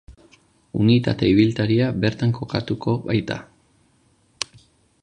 Unitate ibiltaria bertan kokatuko baita.